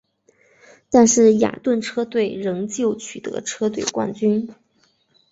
但是雅顿车队仍旧取得车队冠军。